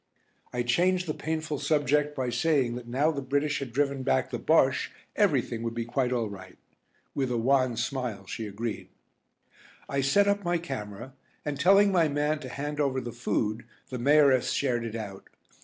I changed the painful subject by saying that now the British had driven back the Bosche everything would be quite all right. With a wan smile she agreed. I set up my camera, and telling my man to hand over the food, the Mayoress shared it out.